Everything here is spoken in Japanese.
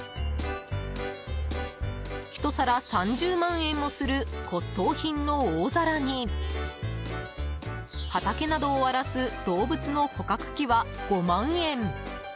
１皿３０万円もする骨董品の大皿に畑などを荒らす動物の捕獲器は５万円。